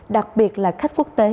đặc biệt là khách quốc tế